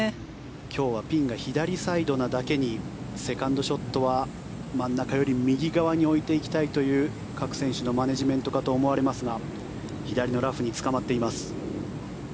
今日はピンが左サイドなだけにセカンドショットは真ん中より右側に置いていきたいという各選手のマネジメントかと思われますが左のラフにつかまっています。